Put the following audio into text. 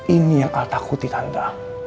ini yang al takuti tante